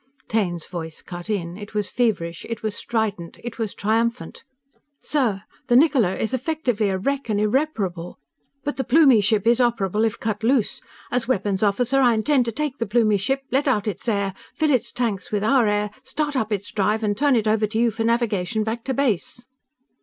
Taine's voice cut in. It was feverish. It was strident. It was triumphant. "_Sir! The Niccola is effectively a wreck and unrepairable. But the Plumie ship is operable if cut loose. As weapons officer, I intend to take the Plumie ship, let out its air, fill its tanks with our air, start up its drive, and turn it over to you for navigation back to base!